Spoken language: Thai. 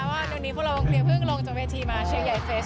วันนี้พวกเราวงเคลียร์ลงจากเวทีมาเชียงใหญ่เฟซ